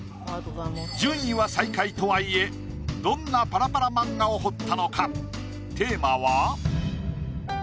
順位は最下位とはいえどんなパラパラ漫画を彫ったのか？